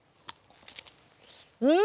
うん！